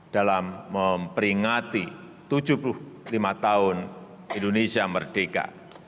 dalam memperingati tujuh puluh lima tahun indonesia merdeka